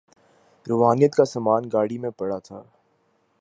روحانیت کا سامان گاڑی میں پڑا تھا۔